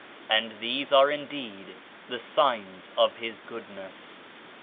And these are indeed the signs of his goodness.